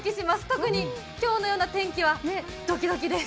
特に今日のような天気はドキドキです。